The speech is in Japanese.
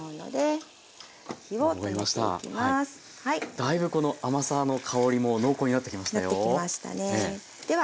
だいぶこの甘さの香りも濃厚になってきましたよ。